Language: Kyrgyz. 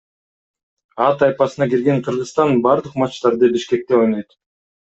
А тайпасына кирген Кыргызстан бардык матчтарды Бишкекте ойнойт.